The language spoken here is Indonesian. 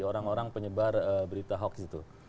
orang orang penyebar berita hoax itu